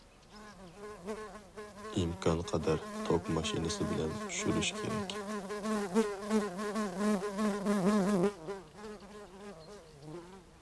ئىمكانقەدەر توك ماشىنىسى بىلەن چۈشۈرۈش كېرەك.